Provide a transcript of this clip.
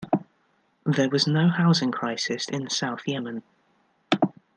There was no housing crisis in South Yemen.